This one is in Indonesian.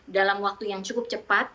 dalam waktu yang cukup cepat